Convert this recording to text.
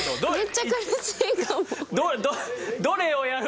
めっちゃ苦しいかも。